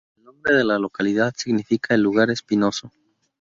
El nombre de la localidad significa "el lugar espinoso".